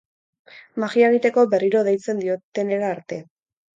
Magia egiteko berriro deitzen diotenera arte.